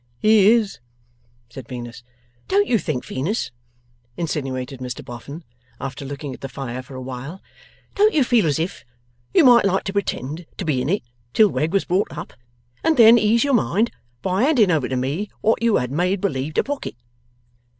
'He is,' said Venus. 'Don't you think, Venus,' insinuated Mr Boffin, after looking at the fire for a while 'don't you feel as if you might like to pretend to be in it till Wegg was bought up, and then ease your mind by handing over to me what you had made believe to pocket?